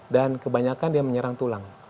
kebanyakan dia menyerang tulang